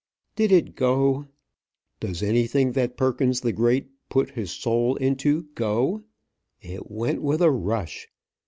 Did it go? Does anything that Perkins the Great puts his soul into go? It went with a rush.